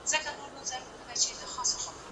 هره علمي هڅه چې وشي، پرمختګ رامنځته کوي.